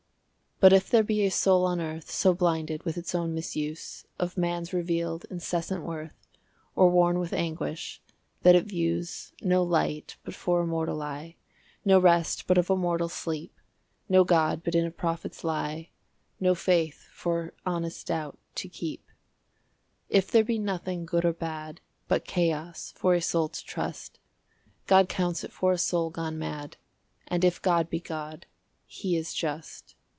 But if there be a soul on earth So blinded with its own misuse Of man's revealed, incessant worth, Or worn with anguish, that it views No light but for a mortal eye, No rest but of a mortal sleep, No God but in a prophet's lie, No faith for "honest doubt" to keep; If there be nothing, good or bad, But chaos for a soul to trust, God counts it for a soul gone mad, And if God be God, He is just.